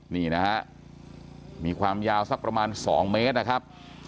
นี่นะฮะมีความยาวสักประมาณ๒เมตรนะครับ